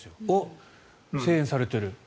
おっ、声援されてる。